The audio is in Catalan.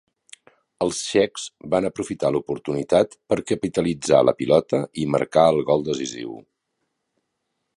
Els txecs van aprofitar l'oportunitat per capitalitzar la pilota i marcar el gol decisiu.